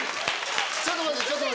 ちょっと待って！